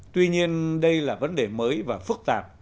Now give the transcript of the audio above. tuy nhiên đây là vấn đề mới và phức tạp